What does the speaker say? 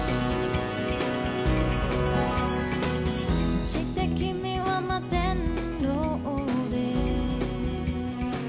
「そして君は摩天楼で」